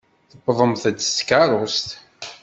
Tewwḍemt-d s tkeṛṛust.